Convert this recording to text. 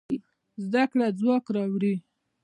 زده کړه ځواک راوړي.